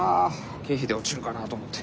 経費で落ちるかなと思って。